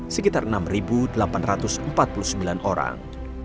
sekitar enam delapan ratus empat puluh sembilan orang